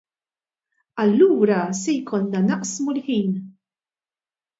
Allura se jkollna naqsmu l-ħin.